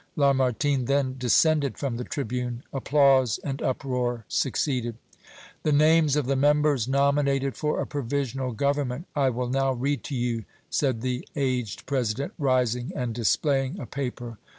Lamartine then descended from the tribune; applause and uproar succeeded. "The names of the members nominated for a provisional government I will now read to you," said the aged President, rising and displaying a paper.